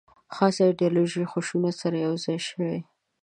خاصه ایدیالوژي خشونت سره یو ځای شوې.